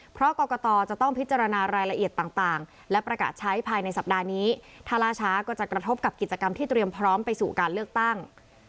เพราะกรกตจะต้องพิจารณารายละเอียดต่าง